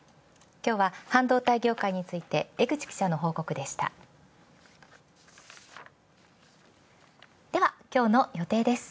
きょうは半導体業界について江口記者の報告でした。